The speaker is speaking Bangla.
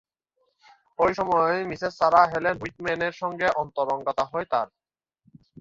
ওই সময়ই মিসেস সারাহ হেলেন হুইটম্যান-এর সঙ্গে অন্তরঙ্গতা হয় তার।